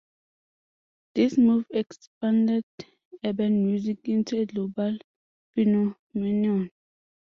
This move expanded urban music into a global phenomenon.